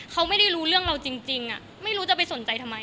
เขาไม่ได้รู้เรื่องเราจริงไม่รู้จะไปสนใจทำไม